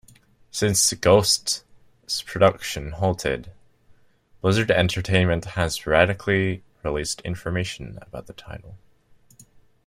Since "Ghost"s production halted, Blizzard Entertainment has sporadically released information about the title.